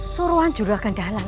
suruhan juragan dahlan